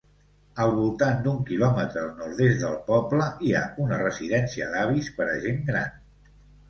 Al voltant d'un kilòmetre al nord-est del poble hi ha una residència d'avis per a gent gran.